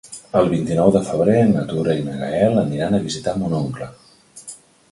El vint-i-nou de febrer na Tura i en Gaël aniran a visitar mon oncle.